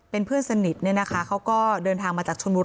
เป็นเพื่อนสนิทเนี่ยนะคะเขาก็เดินทางมาจากชนบุรี